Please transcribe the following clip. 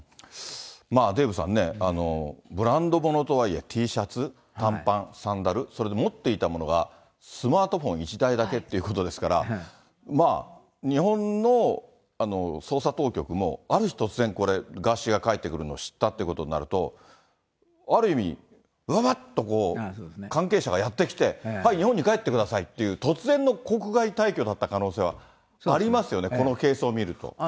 デーブさんね、ブランドものとはいえＴシャツ、短パン、サンダル、それに持っていたものがスマートフォン１台だけということですから、まあ、日本の捜査当局もある日突然、これ、ガーシーが帰ってくるのを知ったっていうことになると、ある意味、うわわっと関係者がやって来て、はい、日本に帰ってくださいっていう、突然の国外退去だった可能性はありますよね、この軽装を見ると。